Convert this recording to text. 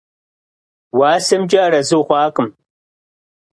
УасэмкӀэ арэзы хъуакъым.